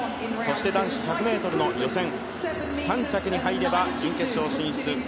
男子１００ｍの予選、３着に入れば準決勝進出。